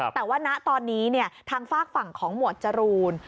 แต่ว่าณตอนนี้ทางฝากฝั่งของหมวดจรูน